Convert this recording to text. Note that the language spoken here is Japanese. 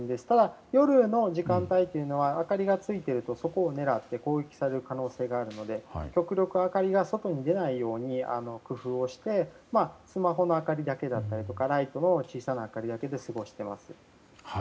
ただ、夜の時間帯というのは明かりがついているとそこを狙って攻撃される可能性があるので極力、明かりが外に出ないように工夫をしてスマホの明かりだけだったりとかライトを小さな明かりだけで過ごしています。